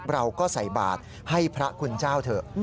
เราก็ใส่บาทให้พระคุณเจ้าเถอะ